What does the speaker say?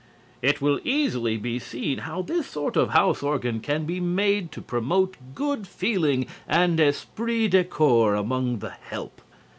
It will easily be seen how this sort of house organ can be made to promote good feeling and esprit de corps among the help.